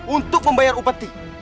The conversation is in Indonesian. untuk membahahi upeti